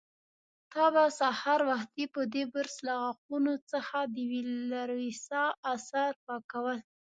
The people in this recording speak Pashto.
تا به سهار وختي په دې برس له غاښونو څخه د وېلاروسا آثار پاکول.